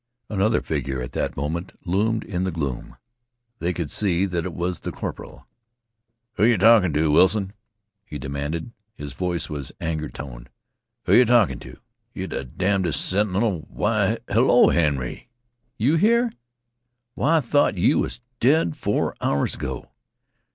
Another figure at that moment loomed in the gloom. They could see that it was the corporal. "Who yeh talkin' to, Wilson?" he demanded. His voice was anger toned. "Who yeh talkin' to? Yeh th' derndest sentinel why hello, Henry, you here? Why, I thought you was dead four hours ago!